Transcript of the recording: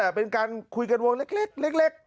เป็นการคุยกันวงเล็ก